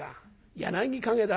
『柳陰』だ？